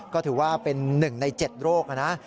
ก็ถือว่าเป็น๑ใน๗โรคนะ